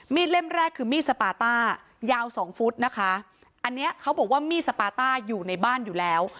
เล่มแรกคือมีดสปาต้ายาวสองฟุตนะคะอันเนี้ยเขาบอกว่ามีดสปาต้าอยู่ในบ้านอยู่แล้ว